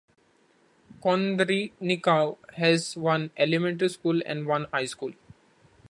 Korenica has one elementary school and one high school.